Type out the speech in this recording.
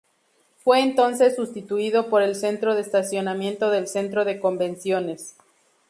Fue entonces sustituido por el centro de estacionamiento del centro de convenciones.